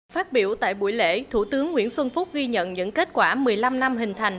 phát biểu tại buổi lễ thủ tướng nguyễn xuân phúc ghi nhận những kết quả một mươi năm năm hình thành